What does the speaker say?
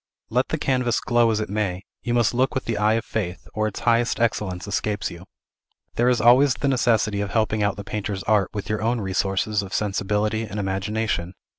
Let the canvas glow as it may, you must look with the eye of faith, or its highest excellence escapes you. There is always the necessity of helping out the painter's art with your own resources of sensibility and imagination.